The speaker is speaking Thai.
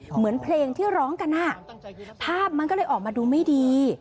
เหมือนเพลงที่ร้องกันภาพมันก็เลยออกมาดูไม่ดี